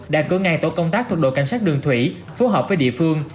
đã cử ngay tổ công tác thuộc đội cảnh sát đường thủy phối hợp với địa phương